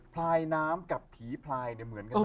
พลายน้ำกับผีพลายเนี่ยเหมือนกันไหม